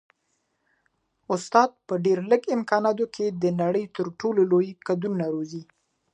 استاد په ډېر لږ امکاناتو کي هم د نړۍ تر ټولو لوی کدرونه روزي.